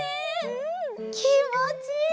うんきもちいい！